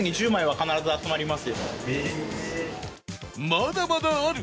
まだまだある！